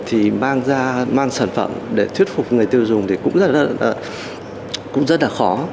thì mang sản phẩm để thuyết phục người tiêu dùng thì cũng rất là khó